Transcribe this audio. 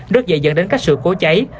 rất dễ dẫn đến các sự cố cháy